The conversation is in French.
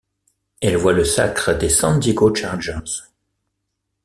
Elle voit le sacre des San Diego Chargers.